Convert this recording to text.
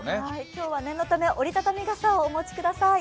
今日は念のため折り畳み傘をお持ちください。